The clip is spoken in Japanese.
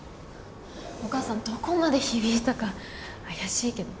お母さんどこまで響いたか怪しいけど。